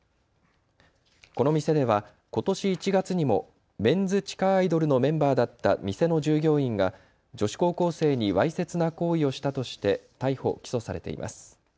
この店ではことし１月にもメンズ地下アイドルのメンバーだった店の従業員が女子高校生にわいせつな行為をしたとして逮捕・起訴されています。